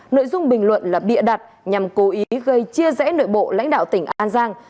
nội dung bình luận là bịa đặt nhằm cố ý gây chia rẽ nội bộ lãnh đạo tỉnh an giang